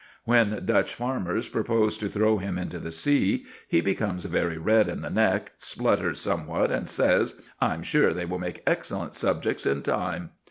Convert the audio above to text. When Dutch farmers propose to throw him into the sea, he becomes very red in the neck, splutters somewhat, and says, "I'm sure they will make excellent subjects in time."